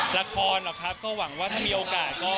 ละครหรอกครับก็หวังว่าถ้ามีโอกาสก็